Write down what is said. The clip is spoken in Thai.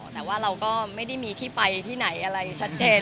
แต่ว่าเราก็ไม่ได้มีที่ไปที่ไหนอะไรชัดเจน